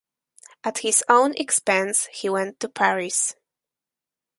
At his own expense he went to Paris.